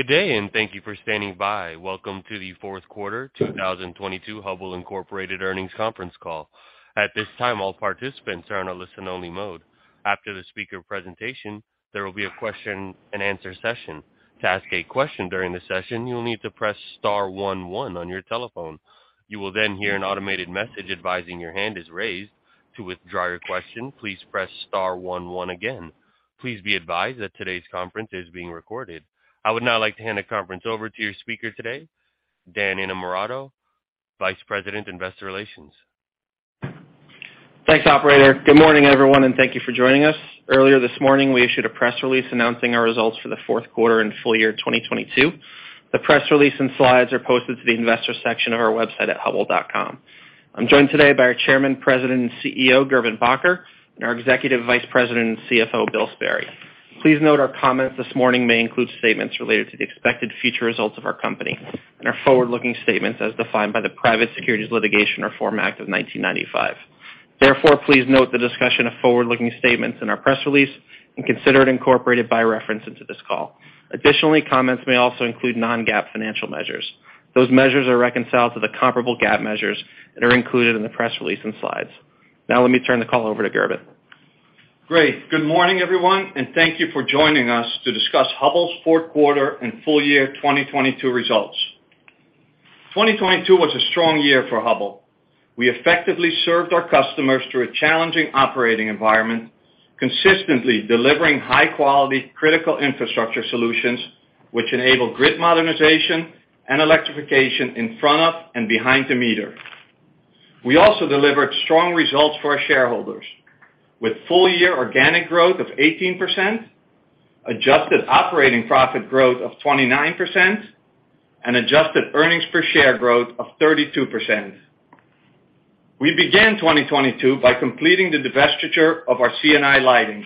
Good day, and thank you for standing by. Welcome to the Fourth Quarter 2022 Hubbell Incorporated Earnings Conference Call. At this time, all participants are on a listen-only mode. After the speaker presentation, there will be a question-and-answer session. To ask a question during the session, you'll need to press star one one on your telephone. You will then hear an automated message advising your hand is raised. To withdraw your question, please press star one one again. Please be advised that today's conference is being recorded. I would now like to hand the conference over to your speaker today, Dan Innamorato, Vice President, Investor Relations. Thanks, operator. Good morning, everyone. Thank you for joining us. Earlier this morning, we issued a press release announcing our results for the fourth quarter and full year 2022. The press release and slides are posted to the investor section of our website at hubbell.com. I'm joined today by our Chairman, President, and CEO, Gerben Bakker, and our Executive Vice President and CFO, Bill Sperry. Please note our comments this morning may include statements related to the expected future results of our company and are forward-looking statements as defined by the Private Securities Litigation Reform Act of 1995. Please note the discussion of forward-looking statements in our press release and consider it incorporated by reference into this call. Additionally, comments may also include non-GAAP financial measures. Those measures are reconciled to the comparable GAAP measures that are included in the press release and slides. Now let me turn the call over to Gerben. Great. Good morning, everyone, and thank you for joining us to discuss Hubbell's fourth quarter and full year 2022 results. 2022 was a strong year for Hubbell. We effectively served our customers through a challenging operating environment, consistently delivering high-quality critical infrastructure solutions which enable grid modernization and electrification in front of and behind the meter. We also delivered strong results for our shareholders with full-year organic growth of 18%, adjusted operating profit growth of 29%, and adjusted earnings per share growth of 32%. We began 2022 by completing the divestiture of our C&I Lighting,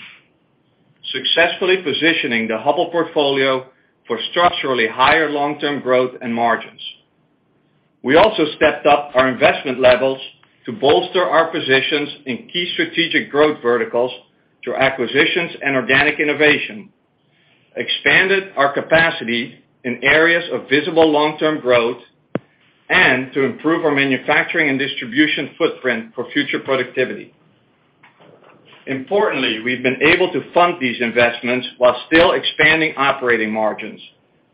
successfully positioning the Hubbell portfolio for structurally higher long-term growth and margins. We also stepped up our investment levels to bolster our positions in key strategic growth verticals through acquisitions and organic innovation, expanded our capacity in areas of visible long-term growth, and to improve our manufacturing and distribution footprint for future productivity. Importantly, we've been able to fund these investments while still expanding operating margins,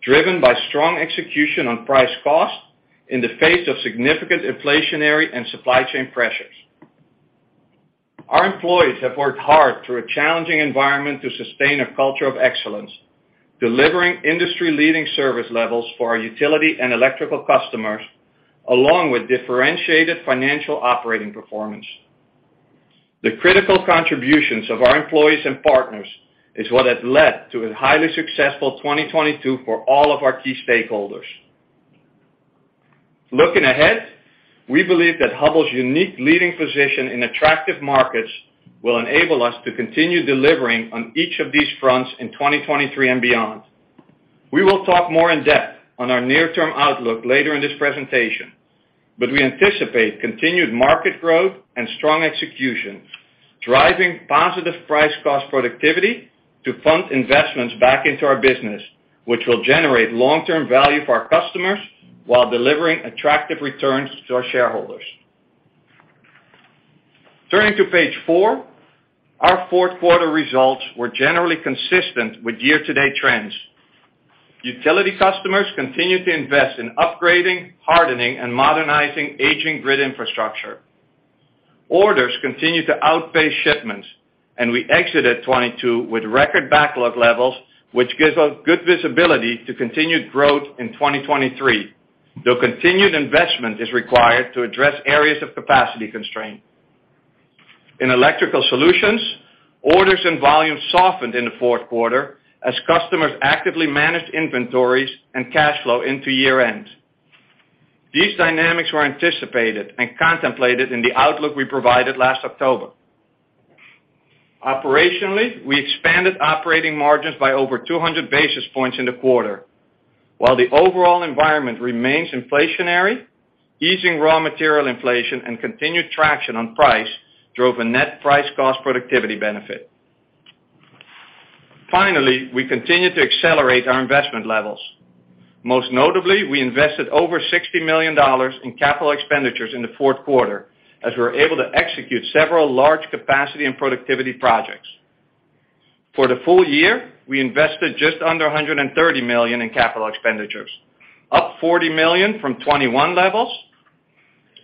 driven by strong execution on price cost in the face of significant inflationary and supply chain pressures. Our employees have worked hard through a challenging environment to sustain a culture of excellence, delivering industry-leading service levels for our utility and electrical customers, along with differentiated financial operating performance. The critical contributions of our employees and partners is what has led to a highly successful 2022 for all of our key stakeholders. Looking ahead, we believe that Hubbell's unique leading position in attractive markets will enable us to continue delivering on each of these fronts in 2023 and beyond. We will talk more in depth on our near-term outlook later in this presentation, but we anticipate continued market growth and strong execution, driving positive price cost productivity to fund investments back into our business, which will generate long-term value for our customers while delivering attractive returns to our shareholders. Turning to page four, our fourth quarter results were generally consistent with year-to-date trends. Utility customers continued to invest in upgrading, hardening, and modernizing aging grid infrastructure. Orders continued to outpace shipments, and we exited 2022 with record backlog levels, which gives us good visibility to continued growth in 2023, though continued investment is required to address areas of capacity constraint. In electrical solutions, orders and volumes softened in the fourth quarter as customers actively managed inventories and cash flow into year-end. These dynamics were anticipated and contemplated in the outlook we provided last October. Operationally, we expanded operating margins by over 200 basis points in the quarter. While the overall environment remains inflationary, easing raw material inflation and continued traction on price drove a net price cost productivity benefit. Finally, we continued to accelerate our investment levels. Most notably, we invested over $60 million in capital expenditures in the fourth quarter as we were able to execute several large capacity and productivity projects. For the full year, we invested just under $130 million in capital expenditures, up $40 million from 2021 levels,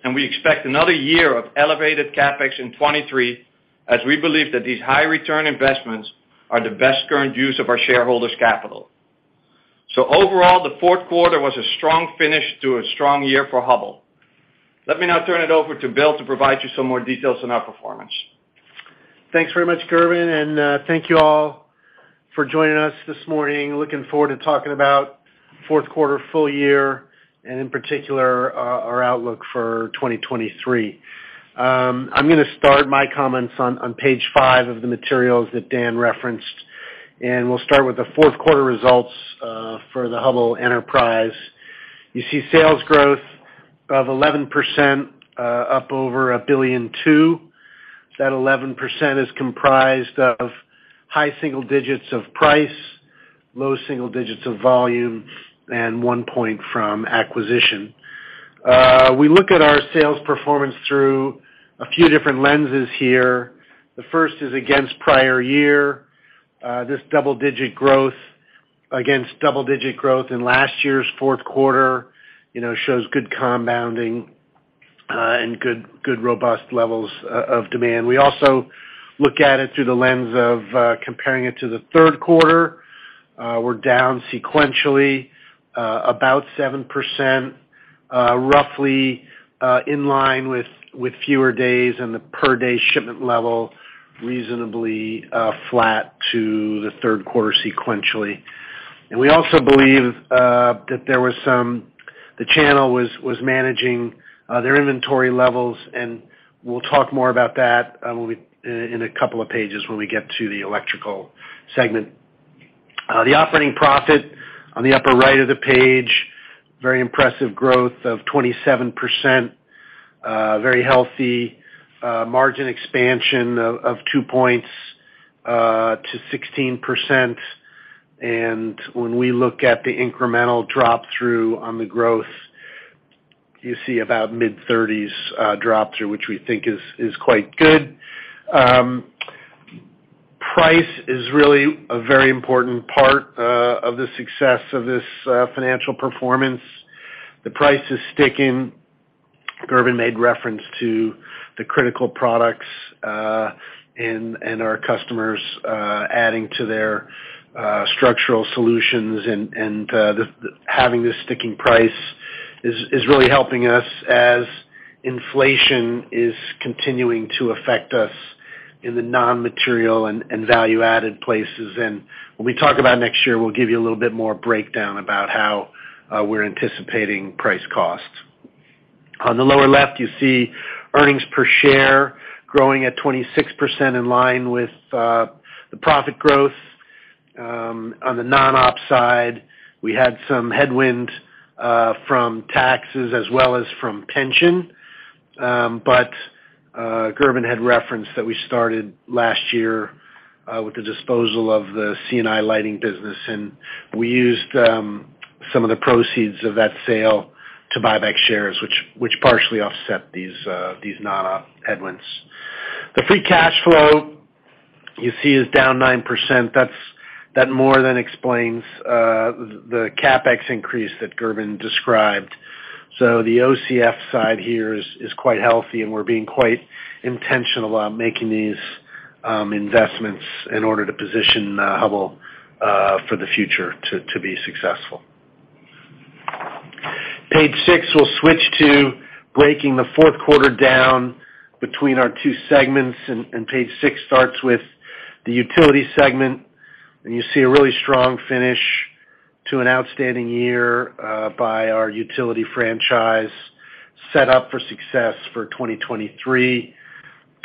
and we expect another year of elevated CapEx in 2023 as we believe that these high return investments are the best current use of our shareholders' capital. Overall, the fourth quarter was a strong finish to a strong year for Hubbell. Let me now turn it over to Bill to provide you some more details on our performance. Thanks very much, Gerben, and thank you all for joining us this morning. Looking forward to talking about fourth quarter, full year, and in particular, our outlook for 2023. I'm gonna start my comments on page five of the materials that Dan referenced, and we'll start with the fourth quarter results for the Hubbell enterprise. You see sales growth of 11%, up over $1.2 billion. That 11% is comprised of high single digits of price, low single digits of volume, and one point from acquisition. We look at our sales performance through a few different lenses here. The first is against prior year. This double-digit growth against double-digit growth in last year's fourth quarter, you know, shows good compounding and good robust levels of demand. We also look at it through the lens of comparing it to the third quarter. We're down sequentially about 7%, roughly in line with fewer days and the per-day shipment level reasonably flat to the third quarter sequentially. We also believe that the channel was managing their inventory levels, and we'll talk more about that in a couple of pages when we get to the electrical segment. The operating profit on the upper right of the page, very impressive growth of 27%. Very healthy margin expansion of two points to 16%. When we look at the incremental drop-through on the growth, you see about mid-30s drop-through, which we think is quite good. Price is really a very important part of the success of this financial performance. The price is sticking. Gerben made reference to the critical products, and our customers adding to their structural solutions and having this sticking price is really helping us as inflation is continuing to affect us in the non-material and value-added places. When we talk about next year, we'll give you a little bit more breakdown about how we're anticipating price costs. On the lower left, you see earnings per share growing at 26% in line with the profit growth. On the non-ops side, we had some headwind from taxes as well as from pension. Gerben had referenced that we started last year with the disposal of the C&I ighting business, and we used some of the proceeds of that sale to buy back shares, which partially offset these non-op headwinds. The free cash flow you see is down 9%. That more than explains the CapEx increase that Gerben described. The OCF side here is quite healthy, and we're being quite intentional on making these investments in order to position Hubbell for the future to be successful. Page six, we'll switch to breaking the fourth quarter down between our two segments. Page six starts with the utility segment, and you see a really strong finish to an outstanding year by our utility franchise set up for success for 2023.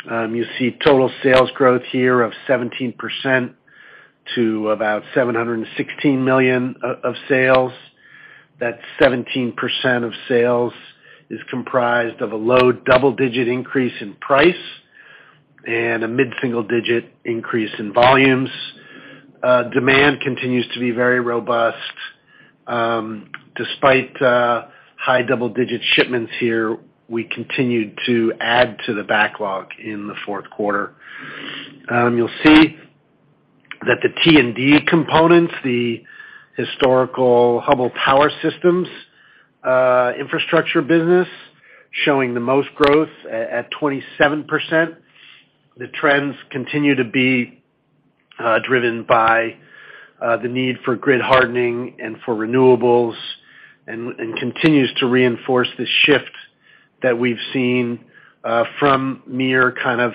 You see total sales growth here of 17% to about $716 million of sales. That 17% of sales is comprised of a low double-digit increase in price and a mid-single digit increase in volumes. Demand continues to be very robust. Despite high double-digit shipments here, we continued to add to the backlog in the fourth quarter. You'll see that the T&D components, the historical Hubbell Power Systems infrastructure business, showing the most growth at 27%. The trends continue to be driven by the need for grid hardening and for renewables and continues to reinforce the shift that we've seen from near kind of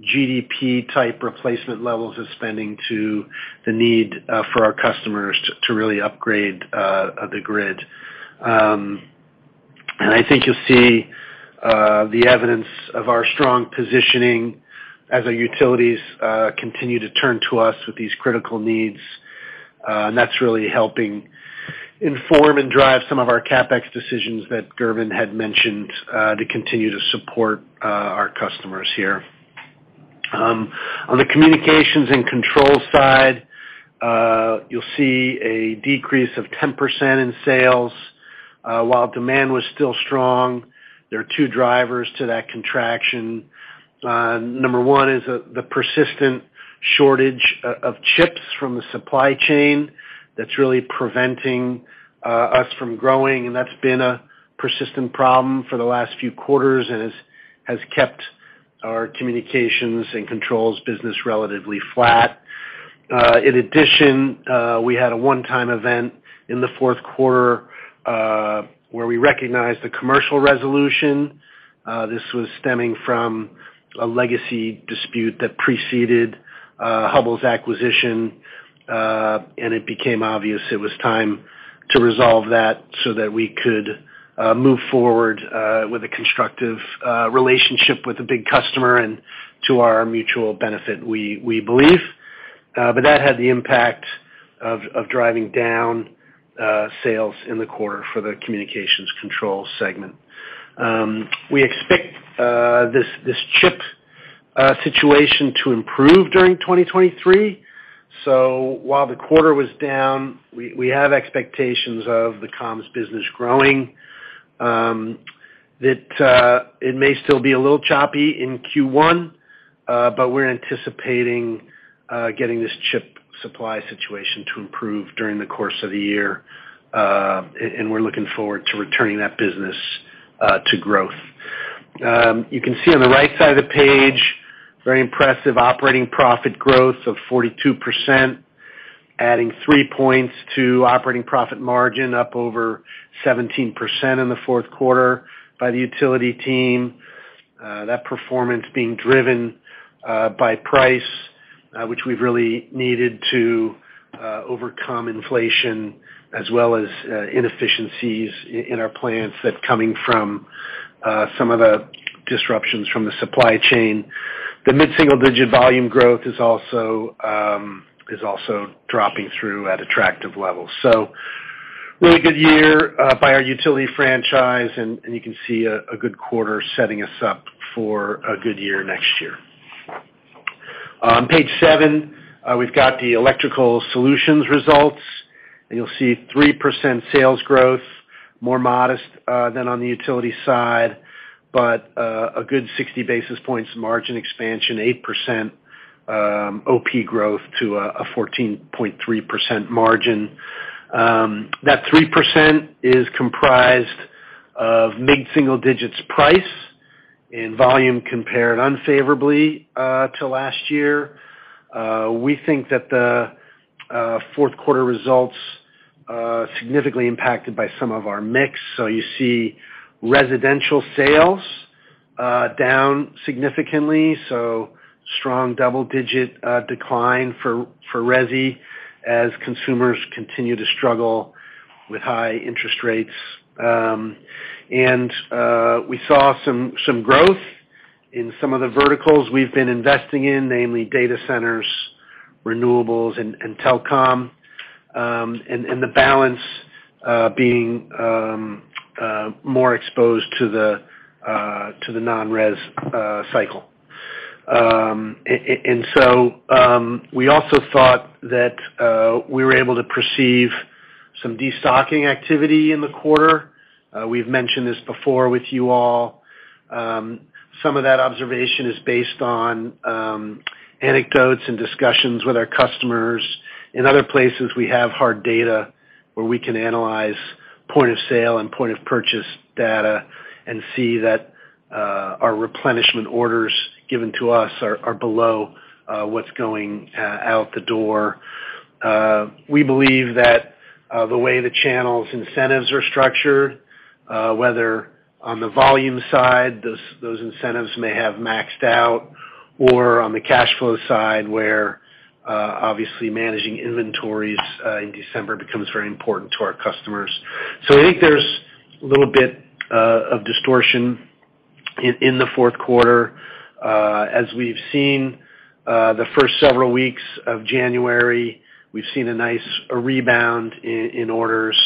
GDP-type replacement levels of spending to the need for our customers to really upgrade the grid. I think you'll see the evidence of our strong positioning as our utilities continue to turn to us with these critical needs, and that's really helping inform and drive some of our CapEx decisions that Gerben had mentioned to continue to support our customers here. On the communications and controls side, you'll see a decrease of 10% in sales. While demand was still strong, there are two drivers to that contraction. Number one is the persistent shortage of chips from the supply chain that's really preventing us from growing, and that's been a persistent problem for the last few quarters and has kept our communications and controls business relatively flat. In addition, we had a one-time event in the fourth quarter, where we recognized the commercial resolution. This was stemming from a legacy dispute that preceded Hubbell's acquisition. It became obvious it was time to resolve that so that we could move forward with a constructive relationship with a big customer and to our mutual benefit, we believe. That had the impact of driving down sales in the quarter for the communications control segment. We expect this chip situation to improve during 2023. While the quarter was down, we have expectations of the comms business growing, that it may still be a little choppy in Q1. We're anticipating getting this chip supply situation to improve during the course of the year, and we're looking forward to returning that business to growth. You can see on the right side of the page, very impressive operating profit growth of 42%, adding three points to operating profit margin up over 17% in the fourth quarter by the utility team. That performance being driven by price, which we've really needed to overcome inflation as well as inefficiencies in our plants that coming from some of the disruptions from the supply chain. The mid-single-digit volume growth is also dropping through at attractive levels. Really good year by our utility franchise, and you can see a good quarter setting us up for a good year next year. On page 7, we've got the electrical solutions results, and you'll see 3% sales growth, more modest than on the utility side, but a good 60 basis points margin expansion, 8% OP growth to a 14.3% margin. That 3% is comprised of mid-single digits price and volume compared unfavorably to last year. We think that the fourth quarter results significantly impacted by some of our mix. So you see residential sales down significantly, so strong double-digit decline for resi as consumers continue to struggle with high interest rates. We saw some growth in some of the verticals we've been investing in, namely data centers, renewables and telecom, and the balance being more exposed to the non-res cycle. We also thought that we were able to perceive some destocking activity in the quarter. We've mentioned this before with you all. Some of that observation is based on anecdotes and discussions with our customers. In other places, we have hard data where we can analyze point of sale and point of purchase data and see that our replenishment orders given to us are below what's going out the door. We believe that the way the channel's incentives are structured, whether on the volume side, those incentives may have maxed out, or on the cash flow side, where obviously managing inventories in December becomes very important to our customers. I think there's a little bit of distortion in the fourth quarter. As we've seen, the first several weeks of January, we've seen a nice rebound in orders.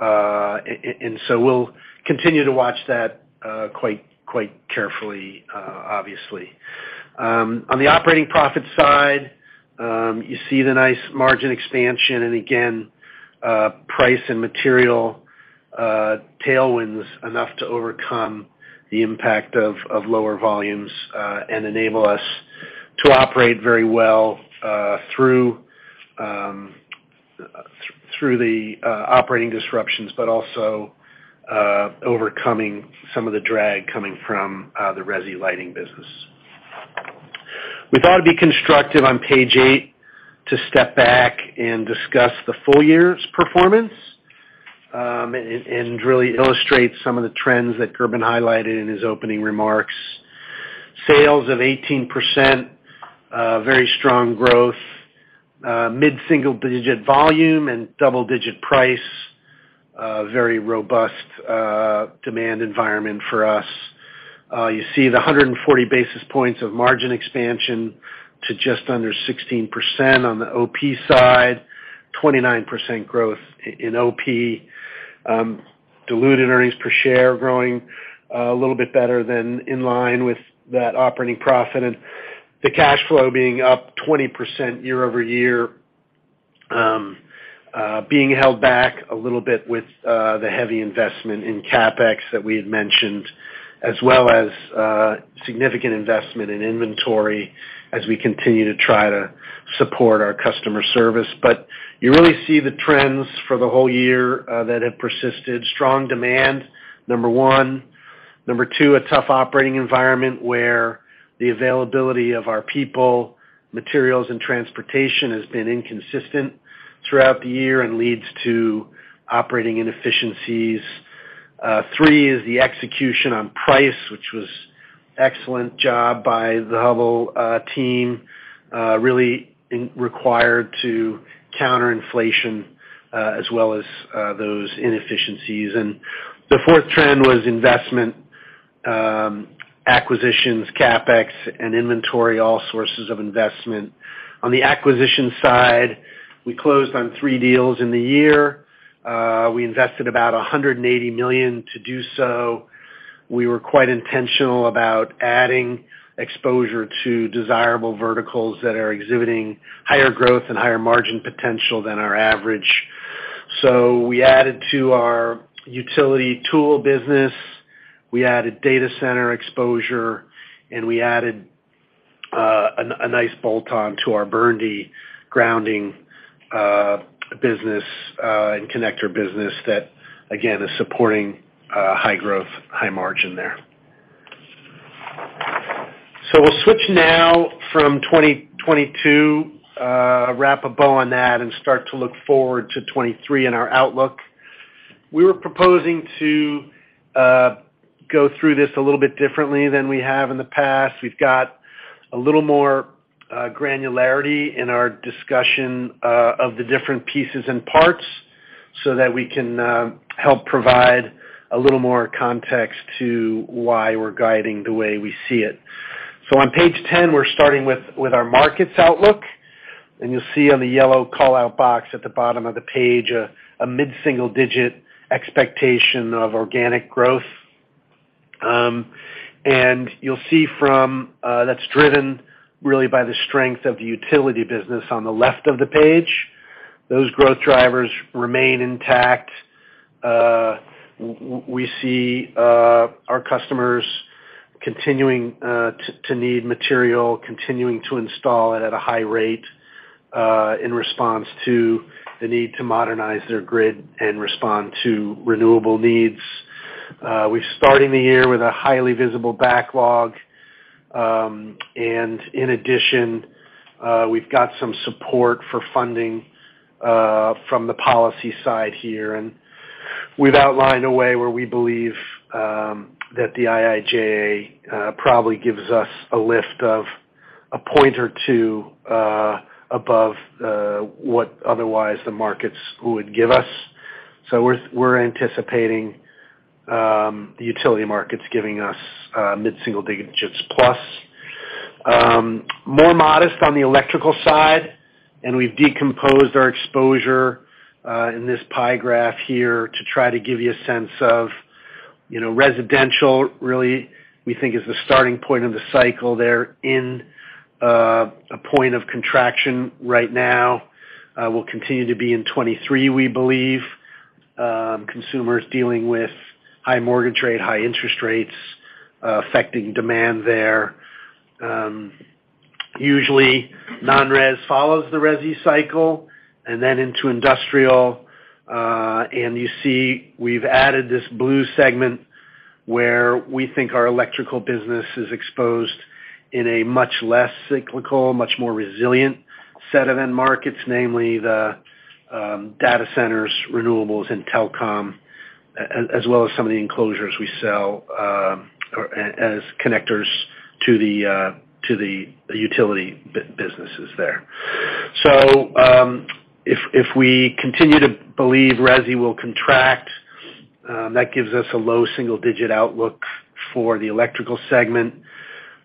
We'll continue to watch that quite carefully, obviously. On the operating profit side, you see the nice margin expansion and again, price and material tailwinds enough to overcome the impact of lower volumes and enable us to operate very well through the operating disruptions, but also overcoming some of the drag coming from the resi lighting business. We thought it'd be constructive on page eight to step back and discuss the full year's performance and really illustrate some of the trends that Gerben highlighted in his opening remarks. Sales of 18%, very strong growth, mid-single-digit volume and double-digit price, very robust demand environment for us. You see the 140 basis points of margin expansion to just under 16% on the OP side, 29% growth in OP, diluted earnings per share growing a little bit better than in line with that operating profit. The cash flow being up 20% year-over-year, being held back a little bit with the heavy investment in CapEx that we had mentioned, as well as significant investment in inventory as we continue to try to support our customer service. You really see the trends for the whole year that have persisted. Strong demand, number one. Number two, a tough operating environment where the availability of our people, materials, and transportation has been inconsistent throughout the year and leads to operating inefficiencies. Three is the execution on price, which was excellent job by the Hubbell team, really required to counter inflation, as well as those inefficiencies. The fourth trend was investment. Acquisitions, CapEx, and inventory, all sources of investment. On the acquisition side, we closed on three deals in the year. We invested about $180 million to do so. We were quite intentional about adding exposure to desirable verticals that are exhibiting higher growth and higher margin potential than our average. We added to our utility tool business, we added data center exposure, and we added a nice bolt-on to our BURNDY grounding business and connector business that, again, is supporting high growth, high margin there. We'll switch now from 2022, wrap a bow on that, and start to look forward to 2023 and our outlook. We were proposing to go through this a little bit differently than we have in the past. We've got a little more granularity in our discussion of the different pieces and parts so that we can help provide a little more context to why we're guiding the way we see it. On page 10, we're starting with our markets outlook. You'll see on the yellow call-out box at the bottom of the page a mid-single digit expectation of organic growth. You'll see from that's driven really by the strength of the utility business on the left of the page. Those growth drivers remain intact. We see our customers continuing to need material, continuing to install it at a high rate in response to the need to modernize their grid and respond to renewable needs. We're starting the year with a highly visible backlog. In addition, we've got some support for funding from the policy side here. We've outlined a way where we believe that the IIJA probably gives us a lift of a point or two above what otherwise the markets would give us. We're anticipating the utility markets giving us mid-single digits plus. More modest on the electrical side, we've decomposed our exposure in this pie graph here to try to give you a sense of, you know, residential, really, we think is the starting point of the cycle there in a point of contraction right now. We'll continue to be in 2023, we believe. Consumers dealing with high mortgage rate, high interest rates, affecting demand there. Usually, non-res follows the resi cycle, then into industrial. You see we've added this blue segment where we think our electrical business is exposed in a much less cyclical, much more resilient set of end markets, namely the data centers, renewables, and telecom, as well as some of the enclosures we sell, or as connectors to the utility businesses there. If we continue to believe resi will contract, that gives us a low single-digit outlook for the electrical segment.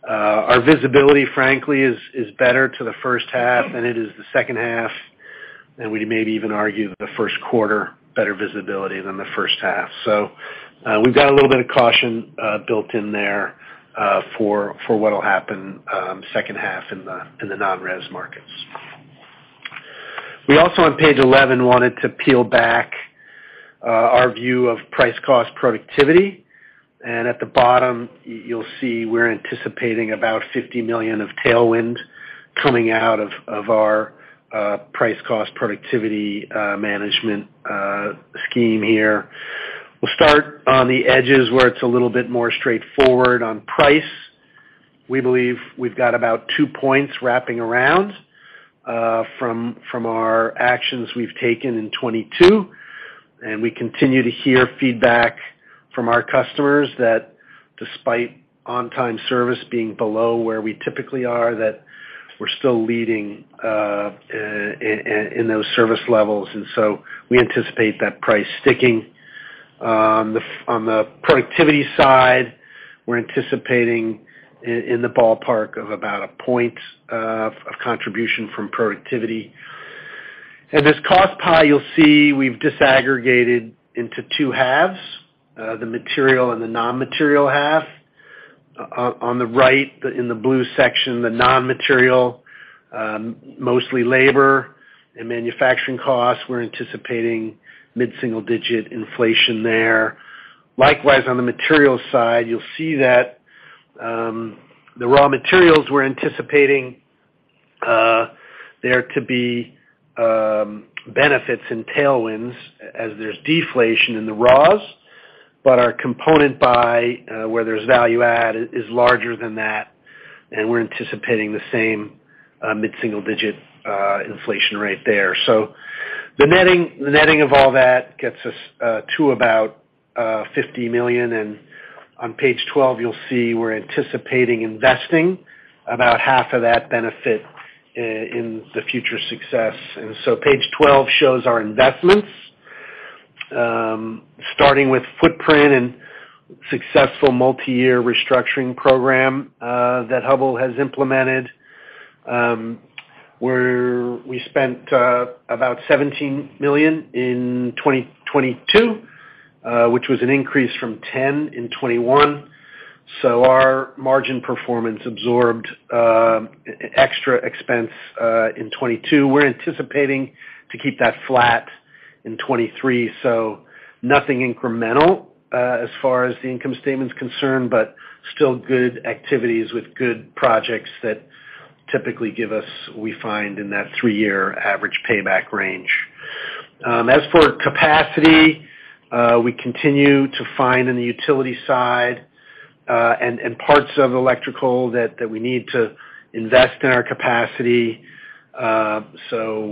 Our visibility, frankly, is better to the first half than it is the second half, and we'd maybe even argue the first quarter, better visibility than the first half. We've got a little bit of caution built in there for what'll happen second half in the non-res markets. We also on page 11 wanted to peel back our view of price cost productivity. At the bottom, you'll see we're anticipating about $50 million of tailwind coming out of our price cost productivity management scheme here. We'll start on the edges, where it's a little bit more straightforward. On price, we believe we've got about two points wrapping around from our actions we've taken in 2022. We continue to hear feedback from our customers that despite on-time service being below where we typically are, that we're still leading in those service levels. We anticipate that price sticking. On the productivity side, we're anticipating in the ballpark of about one point of contribution from productivity. In this cost pie, you'll see we've disaggregated into two halves, the material and the non-material half. On the right, in the blue section, the non-material, mostly labor and manufacturing costs. We're anticipating mid-single digit inflation there. Likewise, on the material side, you'll see that the raw materials we're anticipating there to be benefits and tailwinds as there's deflation in the raws. Our component buy, where there's value add is larger than that, and we're anticipating the same mid-single digit inflation rate there. The netting of all that gets us to about $50 million. On page 12, you'll see we're anticipating investing about half of that benefit in the future success. Page 12 shows our investments starting with footprint and successful multi-year restructuring program that Hubbell has implemented, where we spent about $17 million in 2022, which was an increase from 10 in 2021. Our margin performance absorbed extra expense in 2022. We're anticipating to keep that flat in 2023, so nothing incremental, as far as the income statement's concerned, but still good activities with good projects that typically give us, we find in that three-year average payback range. As for capacity, we continue to find in the utility side, and parts of electrical that we need to invest in our capacity.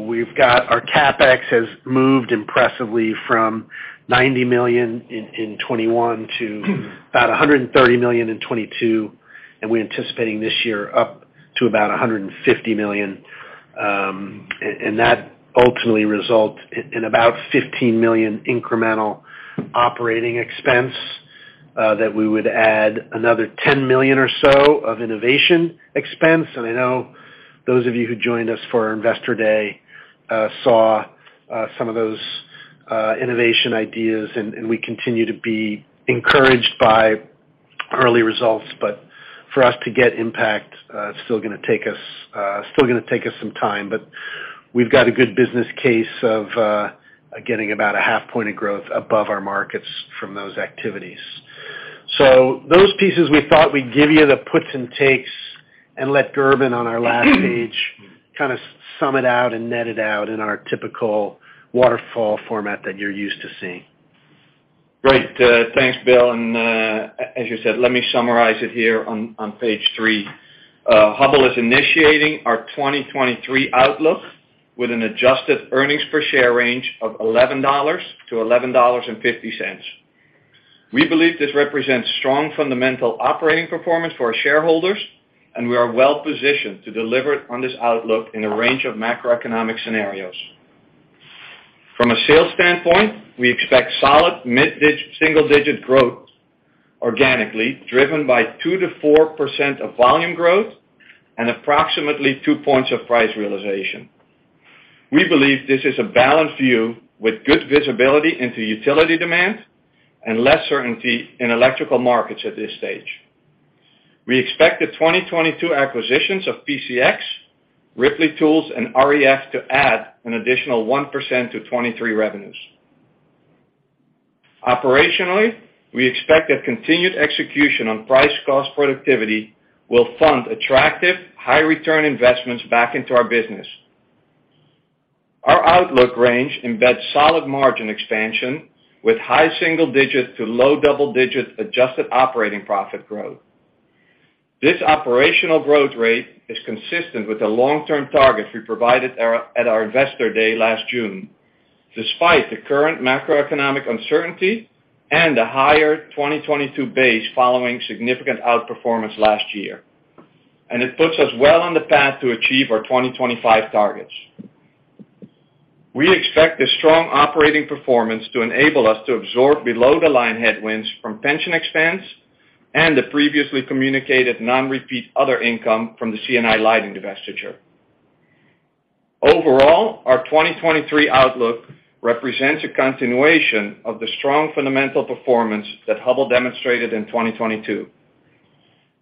We've got our CapEx has moved impressively from $90 million in 2021 to about $130 million in 2022, and we're anticipating this year up to about $150 million. That ultimately result in about $15 million incremental operating expense, that we would add another $10 million or so of innovation expense. I know those of you who joined us for our Investor Day saw some of those innovation ideas, and we continue to be encouraged by early results. For us to get impact, it's still gonna take us some time. We've got a good business case of getting about a 0.5 point of growth above our markets from those activities. Those pieces we thought we'd give you the puts and takes and let Gerben on our last page kinda sum it out and net it out in our typical waterfall format that you're used to seeing. Great. Thanks, Bill. As you said, let me summarize it here on page three. Hubbell is initiating our 2023 outlook with an adjusted earnings per share range of $11.00-$11.50. We believe this represents strong fundamental operating performance for our shareholders, and we are well positioned to deliver on this outlook in a range of macroeconomic scenarios. From a sales standpoint, we expect solid mid-single-digit growth organically, driven by 2%-4% of volume growth and approximately two points of price realization. We believe this is a balanced view with good visibility into utility demand and less certainty in electrical markets at this stage. We expect the 2022 acquisitions of PCX, Ripley Tools, and REF to add an additional 1% to 2023 revenues. Operationally, we expect that continued execution on price cost productivity will fund attractive high return investments back into our business. Our outlook range embeds solid margin expansion with high single digit to low double-digit adjusted operating profit growth. This operational growth rate is consistent with the long-term targets we provided at our Investor Day last June, despite the current macroeconomic uncertainty and a higher 2022 base following significant outperformance last year. It puts us well on the path to achieve our 2025 targets. We expect this strong operating performance to enable us to absorb below the line headwinds from pension expense and the previously communicated non-repeat other income from the C&I Lighting divestiture. Overall, our 2023 outlook represents a continuation of the strong fundamental performance that Hubbell demonstrated in 2022.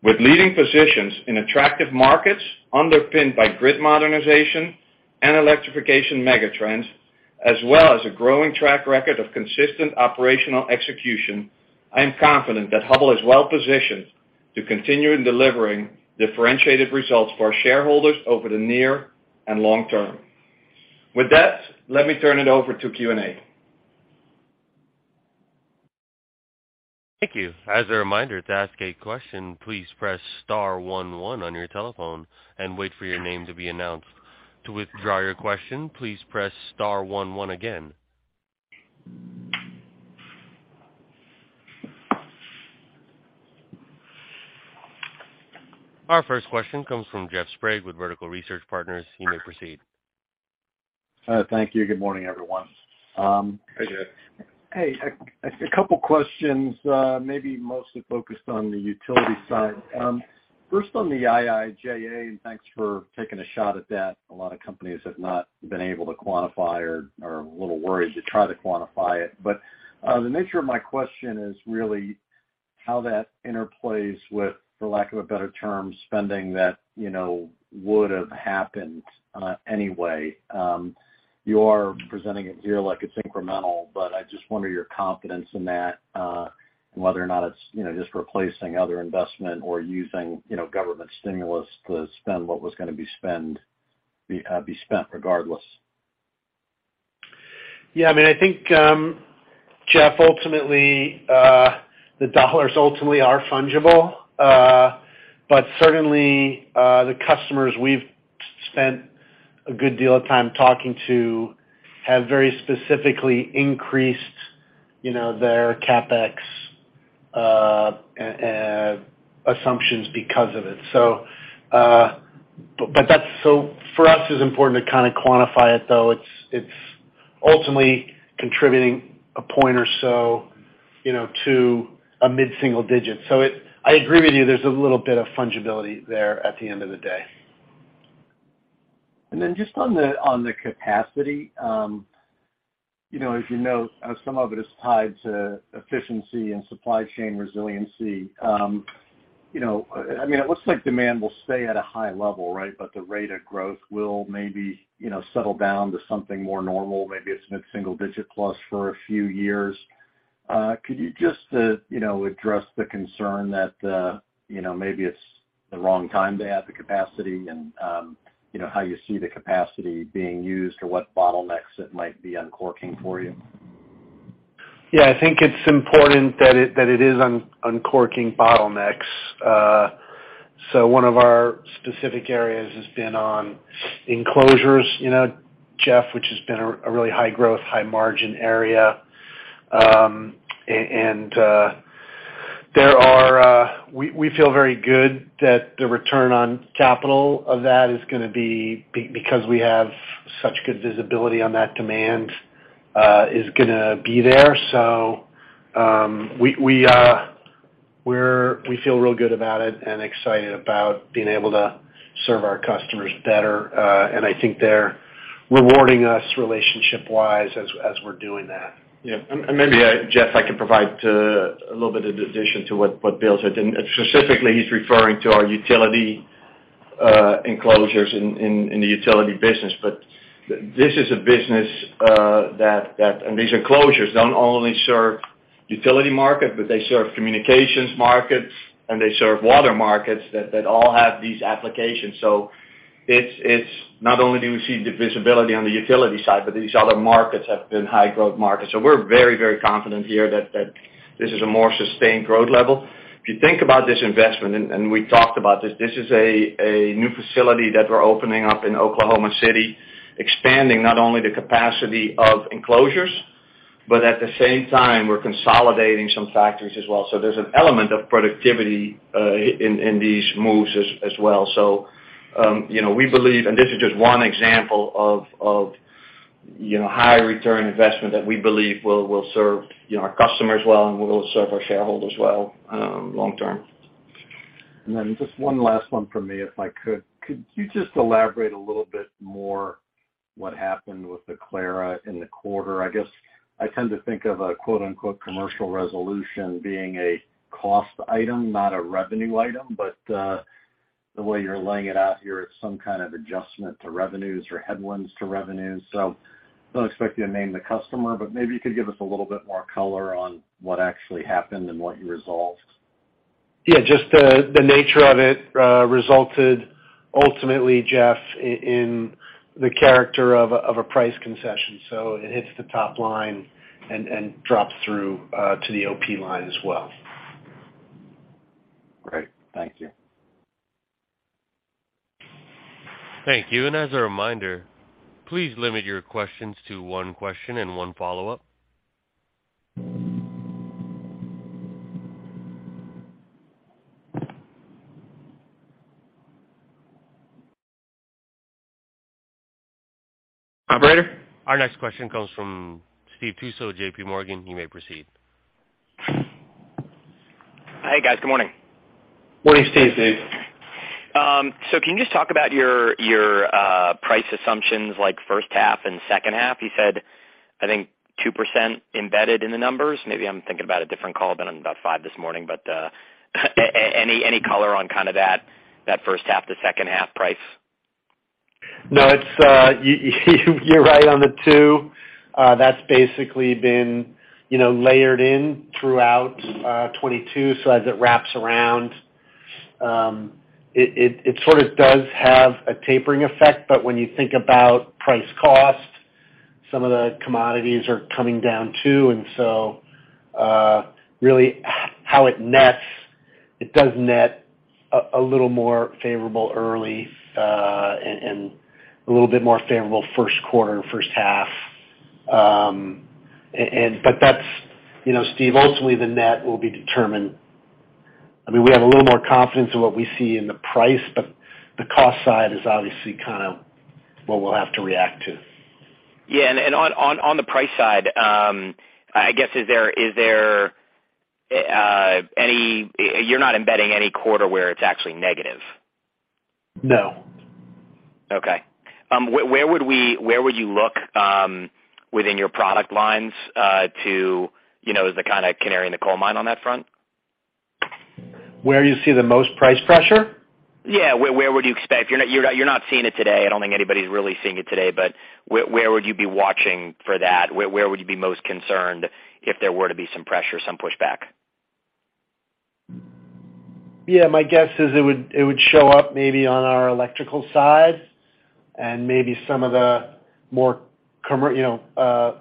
With leading positions in attractive markets underpinned by grid modernization and electrification megatrends, as well as a growing track record of consistent operational execution, I am confident that Hubbell is well positioned to continue in delivering differentiated results for our shareholders over the near and long term. Let me turn it over to Q&A. Thank you. As a reminder, to ask a question, please press star one one on your telephone and wait for your name to be announced. To withdraw your question, please press star one one again. Our first question comes from Jeff Sprague with Vertical Research Partners. You may proceed. Thank you. Good morning, everyone. Hey, Jeff. Hey, a couple questions, maybe mostly focused on the utility side. First on the IIJA, and thanks for taking a shot at that. A lot of companies have not been able to quantify or are a little worried to try to quantify it. The nature of my question is really how that interplays with, for lack of a better term, spending that, you know, would have happened, anyway. You are presenting it here like it's incremental, but I just wonder your confidence in that, and whether or not it's, you know, just replacing other investment or using, you know, government stimulus to spend what was gonna be spent regardless. Yeah, I mean, I think, Jeff, ultimately, the dollars ultimately are fungible. Certainly, the customers we've spent a good deal of time talking to have very specifically increased, you know, their CapEx and Assumptions because of it. But that's so for us, it's important to kind of quantify it, though. It's ultimately contributing a point or so, you know, to a mid-single digit. I agree with you. There's a little bit of fungibility there at the end of the day. Just on the, on the capacity, you know, as you know, some of it is tied to efficiency and supply chain resiliency. You know, I mean, it looks like demand will stay at a high level, right? The rate of growth will maybe, you know, settle down to something more normal. Maybe it's mid-single digit plus for a few years. Could you just, you know, address the concern that, you know, maybe it's the wrong time to add the capacity and, you know, how you see the capacity being used or what bottlenecks it might be uncorking for you? Yeah. I think it's important that it is uncorking bottlenecks. One of our specific areas has been on enclosures, you know, Jeff, which has been a really high growth, high margin area. We feel very good that the return on capital of that is gonna be because we have such good visibility on that demand is gonna be there. We feel real good about it and excited about being able to serve our customers better, and I think they're rewarding us relationship-wise as we're doing that. Yeah. Maybe, Jeff, I can provide a little bit of addition to what Bill said. Specifically, he's referring to our utility enclosures in the utility business. This is a business. These enclosures don't only serve utility market, but they serve communications markets, and they serve water markets that all have these applications. Not only do we see the visibility on the utility side, but these other markets have been high growth markets. We're very confident here that this is a more sustained growth level. If you think about this investment, we talked about this is a new facility that we're opening up in Oklahoma City, expanding not only the capacity of enclosures, but at the same time, we're consolidating some factories as well. There's an element of productivity in these moves as well. You know, we believe, and this is just one example of, you know, high return investment that we believe will serve, you know, our customers well and will serve our shareholders well, long term. Just one last one from me, if I could? Could you just elaborate a little bit more what happened with the Aclara in the quarter? I guess I tend to think of a quote, unquote, "commercial resolution" being a cost item, not a revenue item. The way you're laying it out here, it's some kind of adjustment to revenues or headwinds to revenues. I don't expect you to name the customer, but maybe you could give us a little bit more color on what actually happened and what you resolved? Yeah. Just the nature of it, resulted ultimately, Jeff, in the character of a, of a price concession. It hits the top line and drops through, to the OP line as well. Great. Thank you. Thank you. As a reminder, please limit your questions to one question and one follow-up. Operator? Our next question comes from Steve Tusa, JPMorgan. You may proceed. Hi, guys. Good morning. Morning, Steve. Can you just talk about your price assumptions like first half and second half? You said, I think 2% embedded in the numbers. Maybe I'm thinking about a different call. Been on about five this morning. Any color on kind of that first half to second half price? No. It's, you're right on the 2%. That's basically been, you know, layered in throughout 2022. As it wraps around, it sort of does have a tapering effect. When you think about price cost, some of the commodities are coming down, too. Really how it nets, it does net a little more favorable early, and a little bit more favorable first quarter, first half. But that's, you know, Steve, ultimately the net will be determined. I mean, we have a little more confidence in what we see in the price, but the cost side is obviously kind of what we'll have to react to. Yeah. On the price side, I guess you're not embedding any quarter where it's actually negative? No. Okay. Where would you look, within your product lines, to, you know, as the kind of canary in the coal mine on that front? Where you see the most price pressure? Yeah. Where would you expect... You're not seeing it today. I don't think anybody's really seeing it today. Where would you be watching for that? Where would you be most concerned if there were to be some pressure, some pushback? Yeah. My guess is it would show up maybe on our electrical side and maybe some of the more, you know,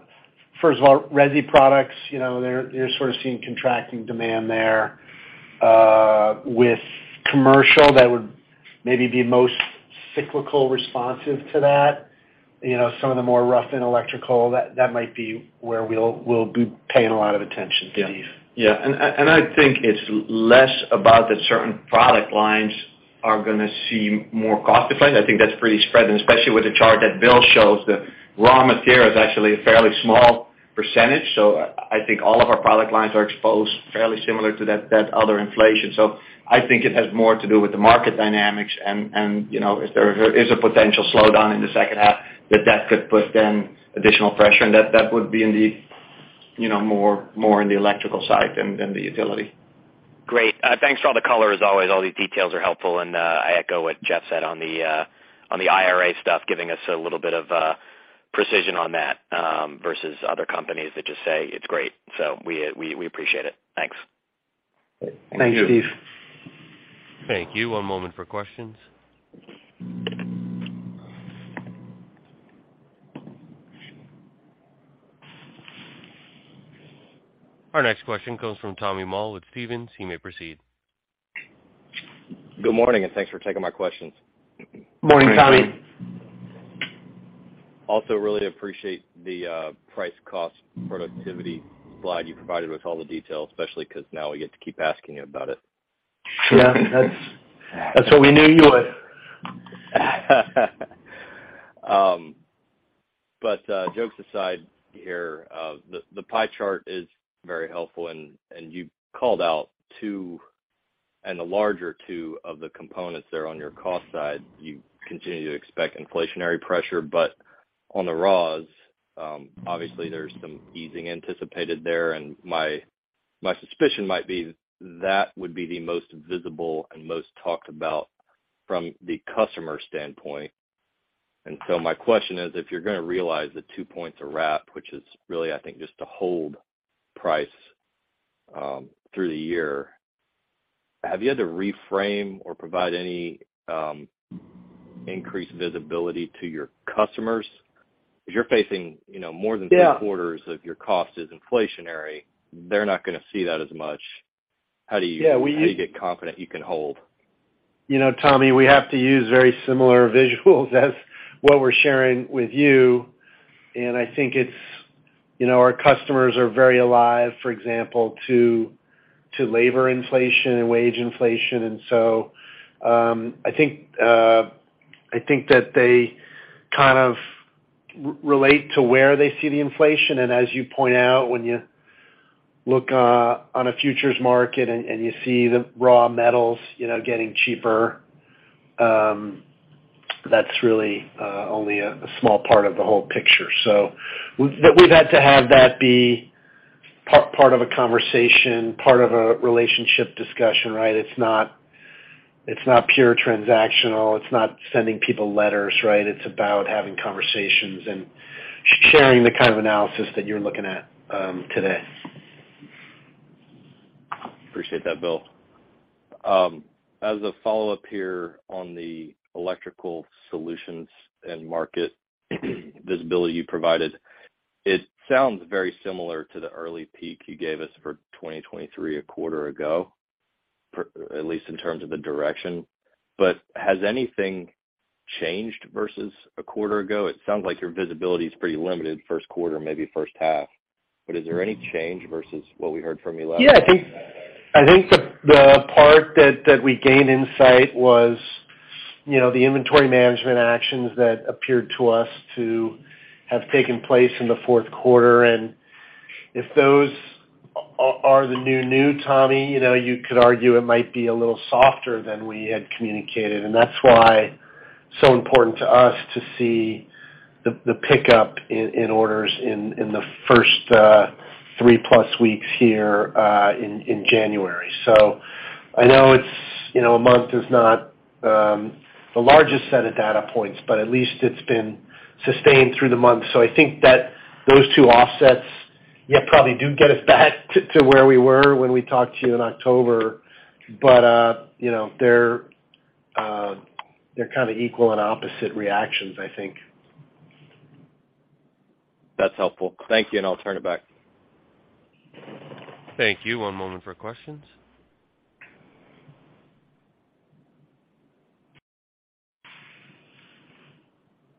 first of all, resi products. You know, they're sort of seeing contracting demand there. With commercial, that would maybe be most cyclical responsive to that. You know, some of the more rough in electrical, that might be where we'll be paying a lot of attention, Steve. Yeah. I think it's less about the certain product lines are gonna see more cost deflation. I think that's pretty spread, and especially with the chart that Bill shows, the raw material is actually a fairly small percentage. I think all of our product lines are exposed fairly similar to that other inflation. I think it has more to do with the market dynamics and, you know, if there is a potential slowdown in the second half, that could put then additional pressure, and that would be indeed, you know, more in the electrical side than the utility. Great. thanks for all the color. As always, all these details are helpful. I echo what Jeff said on the IRA stuff, giving us a little bit of precision on that versus other companies that just say it's great. We appreciate it. Thanks. Thank you. Thanks, Steve. Thank you. One moment for questions. Our next question comes from Tommy Moll with Stephens. You may proceed. Good morning, and thanks for taking my questions. Morning, Tommy. Really appreciate the price cost productivity slide you provided with all the details, especially 'cause now we get to keep asking you about it. Yeah, that's what we knew you would. Jokes aside here, the pie chart is very helpful and you called out two and the larger two of the components there on your cost side, you continue to expect inflationary pressure. On the raws, obviously there's some easing anticipated there, and my suspicion might be that would be the most visible and most talked about from the customer standpoint. My question is, if you're gonna realize the two points of wrap, which is really, I think, just to hold price, through the year, have you had to reframe or provide any, increased visibility to your customers? 'Cause you're facing, you know, more than three-quarters of your cost is inflationary, they're not gonna see that as much. How do you- Yeah. How do you get confident you can hold? You know, Tommy, we have to use very similar visuals as what we're sharing with you. I think it's, you know, our customers are very alive, for example, to labor inflation and wage inflation. I think that they kind of relate to where they see the inflation. As you point out, when you look on a futures market and you see the raw metals, you know, getting cheaper, that's really only a small part of the whole picture. We've had to have that be part of a conversation, part of a relationship discussion, right? It's not, it's not pure transactional. It's not sending people letters, right? It's about having conversations and sharing the kind of analysis that you're looking at today. Appreciate that, Bill. As a follow-up here on the electrical solutions and market visibility you provided, it sounds very similar to the early peak you gave us for 2023 a quarter ago, at least in terms of the direction. Has anything changed versus a quarter ago? It sounds like your visibility is pretty limited first quarter, maybe first half. Is there any change versus what we heard from you last? Yeah. I think the part that we gained insight was, you know, the inventory management actions that appeared to us to have taken place in the fourth quarter. If those are the new, Tommy, you know, you could argue it might be a little softer than we had communicated. That's why so important to us to see the pickup in orders in the first three-plus weeks here in January. I know it's, you know, a month is not the largest set of data points, but at least it's been sustained through the month. I think that those two offsets, yeah, probably do get us back to where we were when we talked to you in October. You know, they're kinda equal and opposite reactions, I think. That's helpful. Thank you, and I'll turn it back. Thank you. One moment for questions.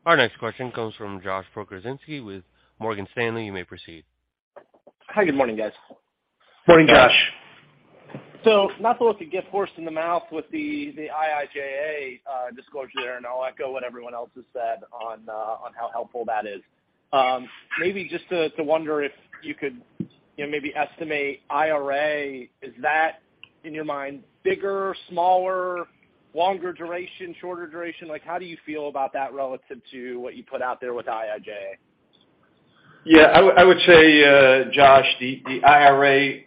Our next question comes from Joshua Pokrzywinski with Morgan Stanley. You may proceed. Hi, good morning, guys. Morning, Josh. Not to look a gift horse in the mouth with the IIJA disclosure there, and I'll echo what everyone else has said on how helpful that is. Maybe just to wonder if you could, you know, maybe estimate IRA, is that, in your mind, bigger, smaller, longer duration, shorter duration? Like, how do you feel about that relative to what you put out there with IIJA? Yeah. I would say, Josh, the IRA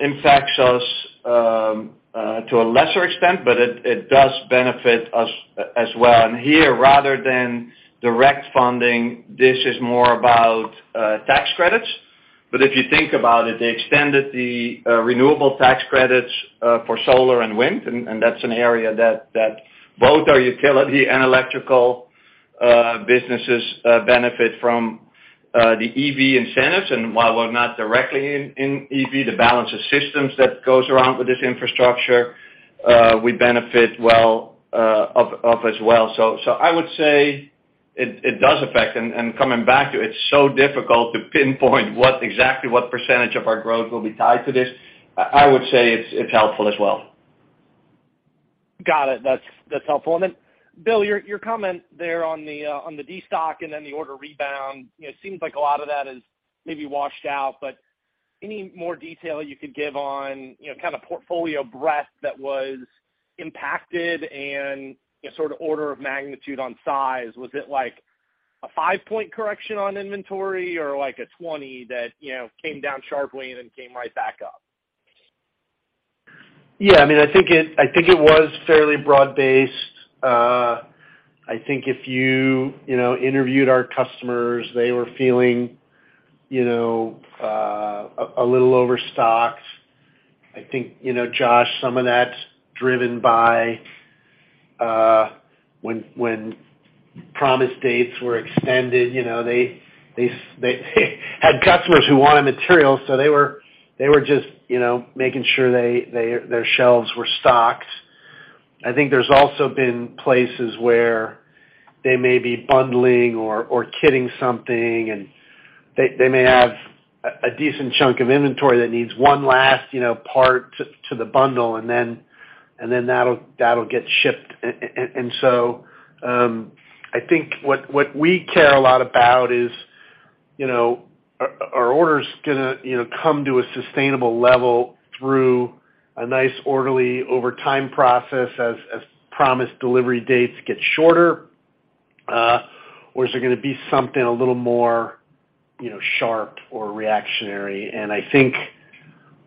infects us to a lesser extent, but it does benefit us as well. Here, rather than direct funding, this is more about tax credits. If you think about it, they extended the renewable tax credits for solar and wind, and that's an area that both our utility and electrical businesses benefit from. The EV incentives, and while we're not directly in EV, the balance of systems that goes around with this infrastructure, we benefit well as well. I would say it does affect. Coming back to it's so difficult to pinpoint what exactly what percentage of our growth will be tied to this. I would say it's helpful as well. Got it. That's helpful. Then Bill, your comment there on the destock and then the order rebound, you know, seems like a lot of that is maybe washed out, but any more detail you could give on, you know, kind of portfolio breadth that was impacted and, you know, sort of order of magnitude on size? Was it like a five-point correction on inventory or like a 20 that, you know, came down sharply and then came right back up? Yeah, I mean, I think it, I think it was fairly broad-based. I think if you know, interviewed our customers, they were feeling, you know, a little overstocked. I think, you know, Josh, some of that's driven by when promised dates were extended. You know, they had customers who wanted materials, so they were just, you know, making sure their shelves were stocked. I think there's also been places where they may be bundling or kitting something, and they may have a decent chunk of inventory that needs one last, you know, part to the bundle, and then that'll get shipped. I think what we care a lot about is, you know, are orders gonna, you know, come to a sustainable level through a nice, orderly, over time process as promised delivery dates get shorter? Or is there gonna be something a little more, you know, sharp or reactionary? I think,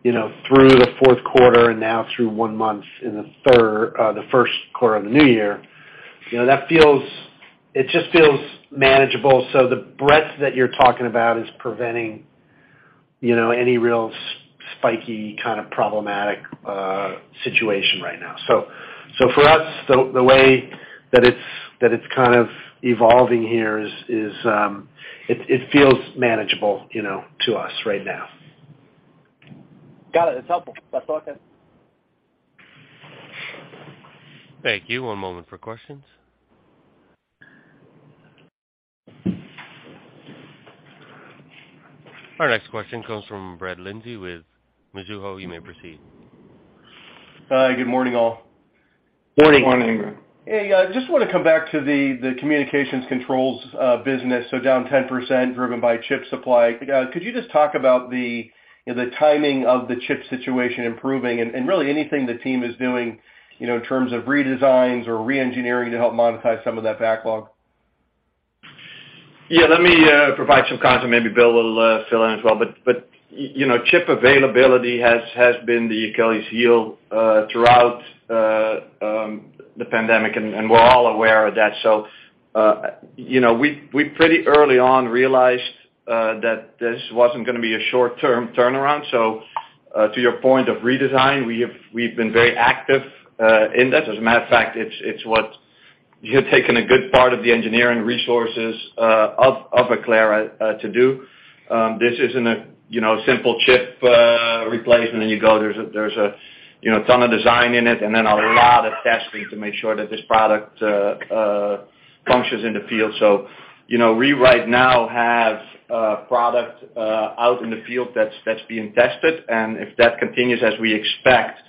you know, through the fourth quarter and now through one month in the first quarter of the new year, you know, that feels. It just feels manageable. The breadth that you're talking about is preventing, you know, any real spiky kind of problematic situation right now. For us, the way that it's kind of evolving here is, it feels manageable, you know, to us right now. Got it. It's helpful. Thanks for talking. Thank you. One moment for questions. Our next question comes from Brett Linzey with Mizuho. You may proceed. Hi. Good morning, all. Morning. Morning. Hey, I just wanna come back to the communications controls business, down 10% driven by chip supply. Could you just talk about the, you know, the timing of the chip situation improving and really anything the team is doing, you know, in terms of redesigns or re-engineering to help monetize some of that backlog? Yeah, let me provide some comment. Maybe Bill will fill in as well. You know, chip availability has been the Achilles' heel throughout the pandemic, and we're all aware of that. You know, we pretty early on realized that this wasn't gonna be a short-term turnaround. To your point of redesign, we've been very active in that. As a matter of fact, it's what you have taken a good part of the engineering resources of Aclara to do. This isn't a, you know, simple chip replacement and you go. There's a, you know, ton of design in it, and then a lot of testing to make sure that this product functions in the field. You know, we right now have a product out in the field that's being tested. If that continues as we expect,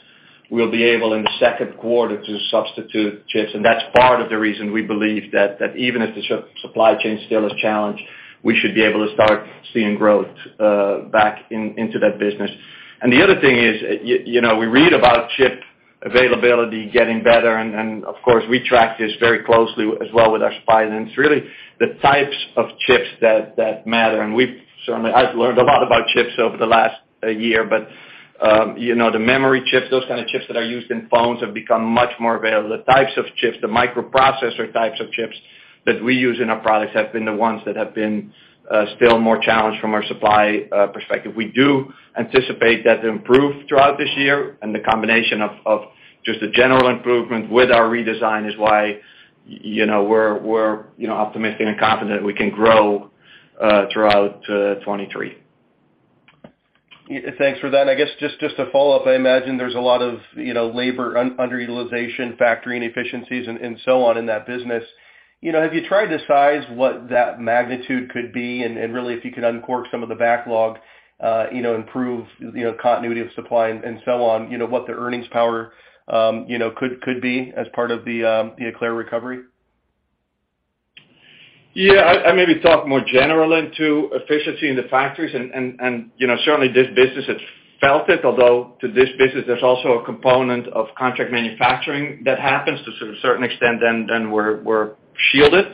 we'll be able in the second quarter to substitute chips. That's part of the reason we believe that even if the supply chain still is challenged, we should be able to start seeing growth back into that business. The other thing is, you know, we read about chip availability getting better and of course we track this very closely as well with our suppliers. It's really the types of chips that matter. I've learned a lot about chips over the last year, but, you know, the memory chips, those kind of chips that are used in phones have become much more available. The types of chips, the microprocessor types of chips that we use in our products have been the ones that have been still more challenged from our supply perspective. We do anticipate that to improve throughout this year. The combination of just the general improvement with our redesign is why, you know, optimistic and confident we can grow throughout 2023. Thanks for that. I guess just a follow-up, I imagine there's a lot of, you know, labor underutilization, factory inefficiencies, and so on in that business. You know, have you tried to size what that magnitude could be? Really if you could uncork some of the backlog, you know, improve, you know, continuity of supply and so on, you know, what the earnings power, you know, could be as part of the Aclara recovery? Yeah. I maybe talk more generally to efficiency in the factories and, you know, certainly this business has felt it, although to this business there's also a component of contract manufacturing that happens to a certain extent then we're shielded.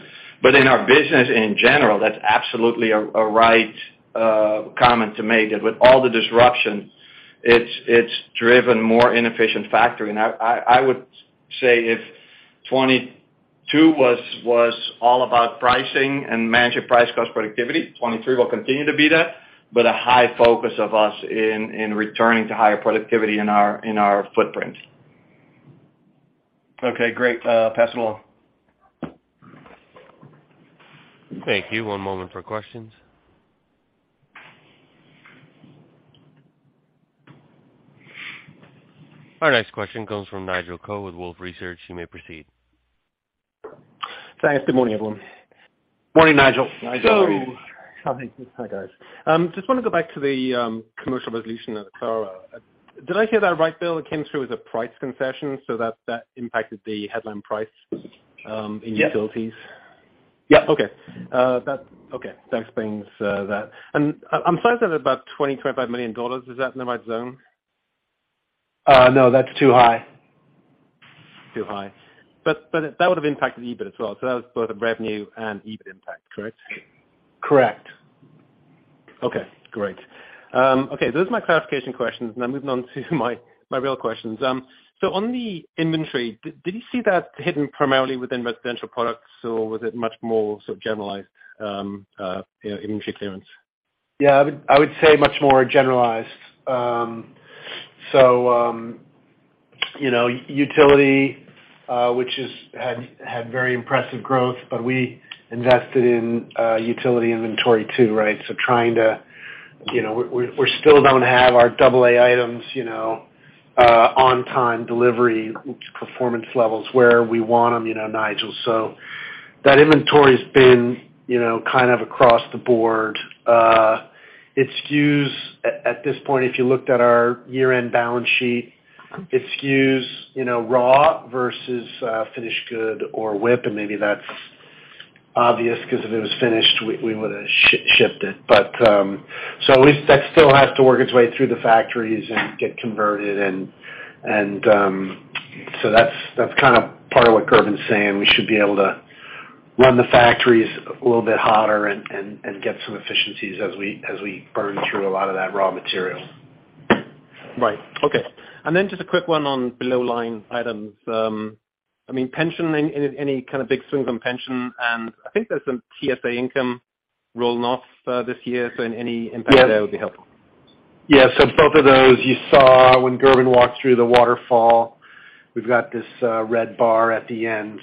In our business in general, that's absolutely a right comment to make that with all the disruption, it's driven more inefficient factory. I would say if 2022 was all about pricing and managing price cost productivity, 2023 will continue to be that, but a high focus of us in returning to higher productivity in our footprint. Okay, great. Pass it along. Thank you. One moment for questions. Our next question comes from Nigel Coe with Wolfe Research. You may proceed. Thanks. Good morning, everyone. Morning, Nigel. Nigel, how are you? Hi, guys. just wanna go back to the commercial resolution of the Aclara. Did I hear that right, Bill? It came through as a price concession so that impacted the headline price, in utilities? Yeah. Okay. That okay, that explains that. I'm sorry, is that about $20 million-$25 million? Is that in the right zone? No, that's too high. Too high. That would've impacted EBIT as well. That was both a revenue and EBIT impact, correct? Correct. Okay, great. Okay, those are my clarification questions, now moving on to my real questions. On the inventory, did you see that hidden primarily within residential products, or was it much more sort of generalized, you know, inventory clearance? Yeah, I would say much more generalized. You know, utility, which is had very impressive growth, but we invested in utility inventory too, right? Trying to, you know, we're still don't have our double A items, you know, on time delivery performance levels where we want them, you know, Nigel. That inventory's been, you know, kind of across the board. It skews at this point, if you looked at our year-end balance sheet, it skews, you know, raw versus finished good or whip, and maybe that's obvious because if it was finished, we would've shipped it. That still has to work its way through the factories and get converted and, that's kind of part of what Gerben's saying. We should be able to run the factories a little bit hotter and get some efficiencies as we burn through a lot of that raw material. Right. Okay. Then just a quick one on below line items. I mean, pension, any kind of big swings on pension, and I think there's some TSA income rolling off this year, so in any impact there would be helpful. Both of those, you saw when Gerben walked through the waterfall, we've got this red bar at the end.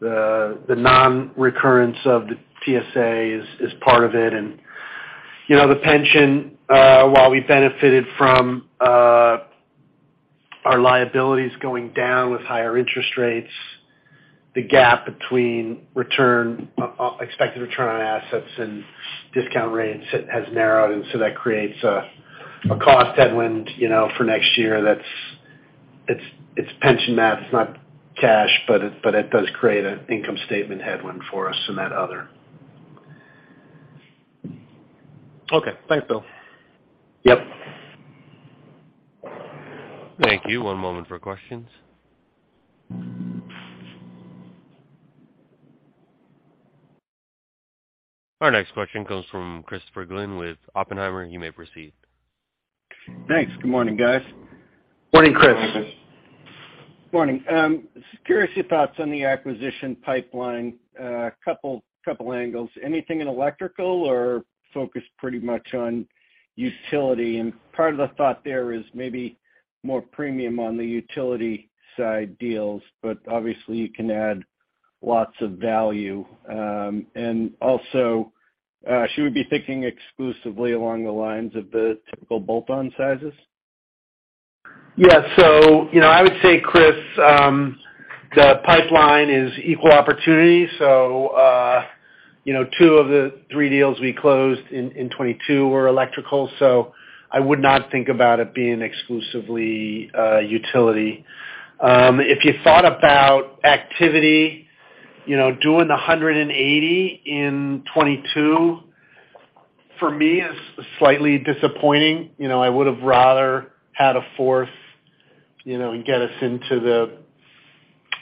The non-recurrence of the TSA is part of it. You know, the pension, while we benefited from our liabilities going down with higher interest rates, the gap between return, expected return on assets and discount rates has narrowed. That creates a cost headwind, you know, for next year. That's it's pension math. It's not cash, but it does create an income statement headwind for us in that other. Okay. Thanks, Bill. Yep. Thank you. One moment for questions. Our next question comes from Christopher Glynn with Oppenheimer. You may proceed. Thanks. Good morning, guys. Morning, Chris. Morning. Morning. Just curious your thoughts on the acquisition pipeline. Couple angles. Anything in electrical or focused pretty much on utility? Part of the thought there is maybe more premium on the utility side deals, but obviously you can add lots of value. Should we be thinking exclusively along the lines of the typical bolt-on sizes? Yeah. You know, I would say, Chris, the pipeline is equal opportunity. You know, two of the three deals we closed in 2022 were electrical, so I would not think about it being exclusively utility. If you thought about activity, you know, doing the 180 in 2022, for me is slightly disappointing. You know, I would have rather had a fourth, you know, and get us into the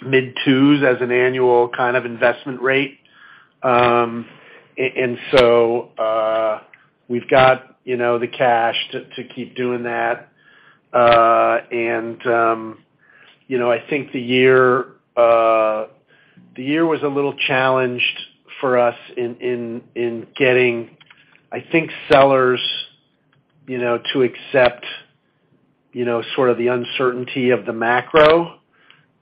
mid twos as an annual kind of investment rate. We've got, you know, the cash to keep doing that. You know, I think the year was a little challenged for us in getting, I think sellers, you know, to accept, you know, sort of the uncertainty of the macro.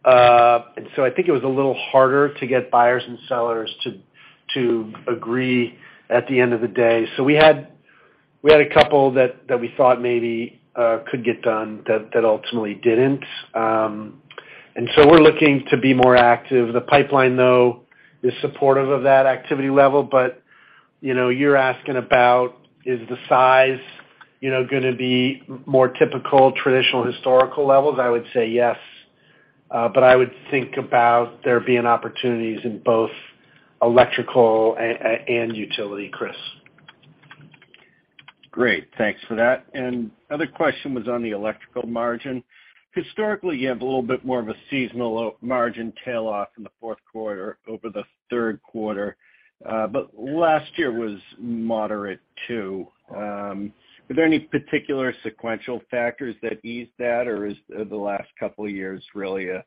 I think it was a little harder to get buyers and sellers to agree at the end of the day. We had a couple that we thought maybe could get done that ultimately didn't. We're looking to be more active. The pipeline, though, is supportive of that activity level. You know, you're asking about is the size, you know, gonna be more typical, traditional, historical levels? I would say yes, but I would think about there being opportunities in both electrical and utility, Chris. Great. Thanks for that. Other question was on the electrical margin. Historically, you have a little bit more of a seasonal margin tailoff in the fourth quarter over the third quarter, but last year was moderate too. Were there any particular sequential factors that eased that, or is the last couple years really a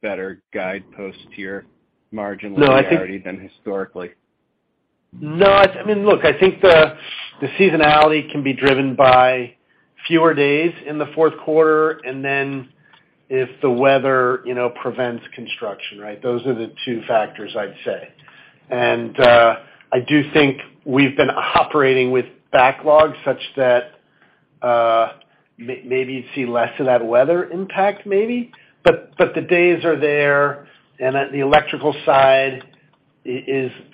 better guidepost to your margin than historically? No, I mean, look, I think the seasonality can be driven by fewer days in the fourth quarter, and then if the weather, you know, prevents construction, right? Those are the two factors I'd say. I do think we've been operating with backlogs such that maybe you'd see less of that weather impact maybe. The days are there and at the electrical side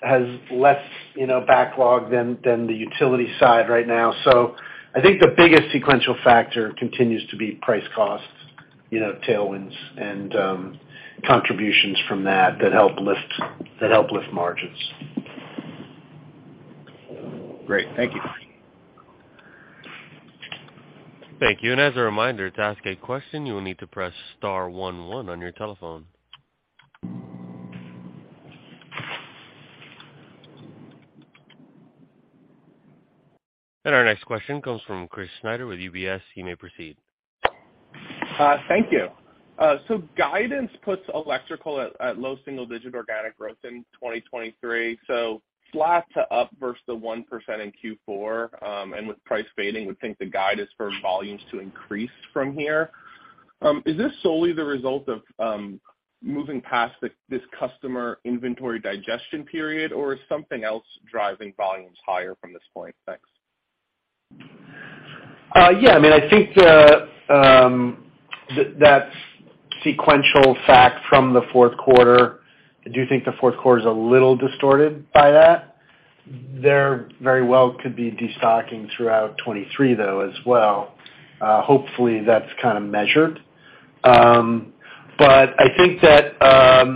has less, you know, backlog than the utility side right now. I think the biggest sequential factor continues to be price costs, you know, tailwinds and contributions from that help lift margins. Great. Thank you. Thank you. As a reminder, to ask a question, you will need to press star one one on your telephone. Our next question comes from Chris Snyder with UBS. You may proceed. Thank you. Guidance puts electrical at low single digit organic growth in 2023, so flat to up versus the 1% in Q4. With price fading, would think the guide is for volumes to increase from here. Is this solely the result of moving past this customer inventory digestion period, or is something else driving volumes higher from this point? Thanks. Yeah, I mean, I think the that sequential fact from the fourth quarter, I do think the fourth quarter is a little distorted by that. There very well could be destocking throughout 2023, though, as well. Hopefully, that's kinda measured. I think that,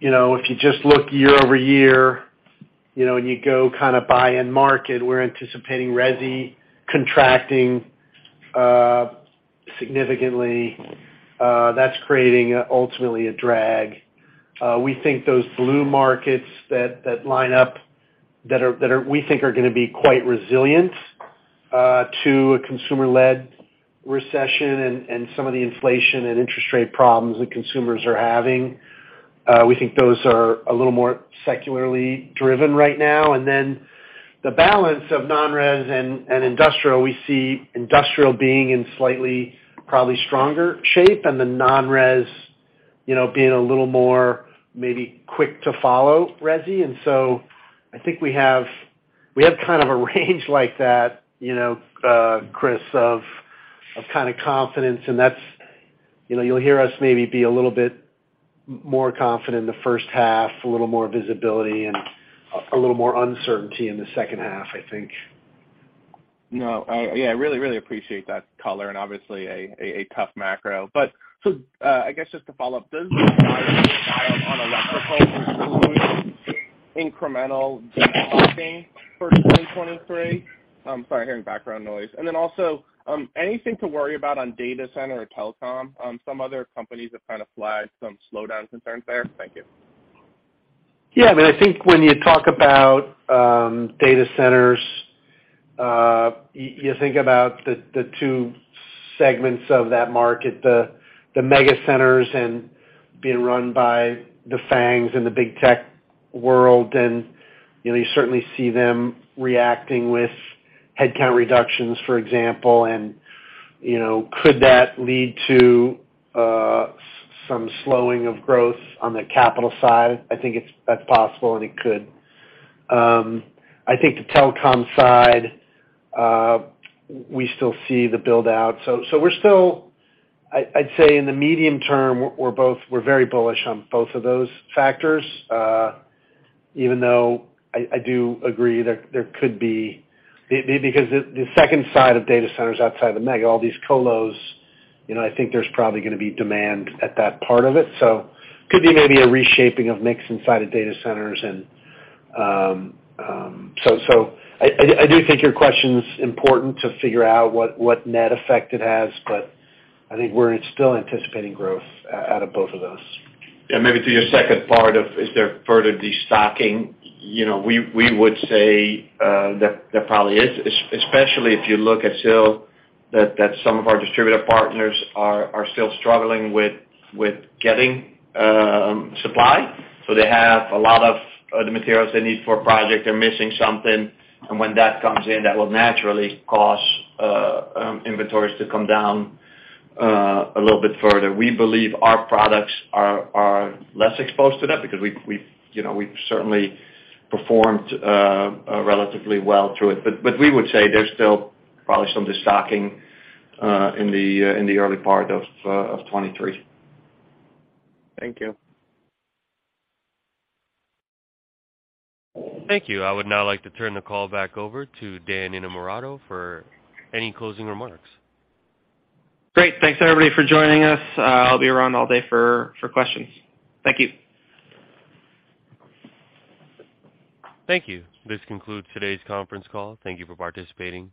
you know, if you just look year-over-year, you know, and you go kinda buy and market, we're anticipating resi contracting significantly. That's creating ultimately a drag. We think those blue markets that line up that are we think are gonna be quite resilient to a consumer-led recession and some of the inflation and interest rate problems that consumers are having. We think those are a little more secularly driven right now. The balance of non-res and industrial, we see industrial being in slightly, probably stronger shape and the non-res, you know, being a little more maybe quick to follow resi. I think we have, we have kind of a range like that, you know, Chris, of kinda confidence and that's, you know, you'll hear us maybe be a little bit more confident in the first half, a little more visibility and a little more uncertainty in the second half, I think. Yeah, I really, really appreciate that color and obviously a tough macro. I guess just to follow up, does this guide on electrical include incremental destocking for 2023? I'm sorry, hearing background noise. Anything to worry about on data center or telecom? Some other companies have kinda flagged some slowdown concerns there. Thank you. I think when you talk about data centers, you think about the 2 segments of that market, the mega centers and being run by the FANGs and the big tech world, you know, you certainly see them reacting with headcount reductions, for example. You know, could that lead to some slowing of growth on the capital side? I think that's possible, and it could. I think the telecom side, we still see the build out. We're still. I'd say in the medium term, we're very bullish on both of those factors. Even though I do agree there could be. Because the second side of data centers outside of the mega, all these colos, you know, I think there's probably gonna be demand at that part of it. Could be maybe a reshaping of mix inside of data centers and, I do think your question's important to figure out what net effect it has, but I think we're still anticipating growth out of both of those. Yeah, maybe to your second part of is there further destocking, you know, we would say there probably is especially if you look at still that some of our distributor partners are still struggling with getting supply. They have a lot of the materials they need for a project. They're missing something. When that comes in, that will naturally cause inventories to come down a little bit further. We believe our products are less exposed to that because we've, you know, we've certainly performed relatively well through it. We would say there's still probably some destocking in the early part of 2023. Thank you. Thank you. I would now like to turn the call back over to Dan Innamorato for any closing remarks. Great. Thanks, everybody, for joining us. I'll be around all day for questions. Thank you. Thank you. This concludes today's conference call. Thank you for participating.